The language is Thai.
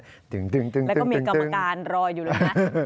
แล้วก็มีกรรมการรออยู่เลยนะ